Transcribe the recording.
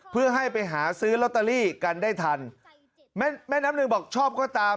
เพื่อให้ไปหาซื้อลอตเตอรี่กันได้ทันแม่แม่น้ำหนึ่งบอกชอบก็ตาม